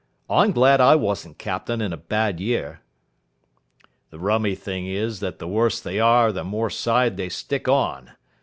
"I'm glad I wasn't captain in a bad year." "The rummy thing is that the worse they are, the more side they stick on.